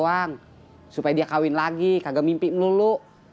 gak ada yang kaya supaya dia kahwin lagi kagak mimpi melulu